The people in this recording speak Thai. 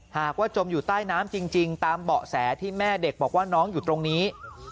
หากว่าจมอยู่ใต้น้ำจริงตามเบาะแสที่แม่เด็กบอกว่าน้องอยู่ตรงนี้